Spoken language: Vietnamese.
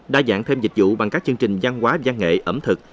đa dạng thêm dịch vụ bằng các chương trình giang hóa giang nghệ ẩm thực